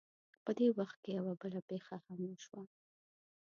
په دې وخت کې یوه بله پېښه هم وشوه.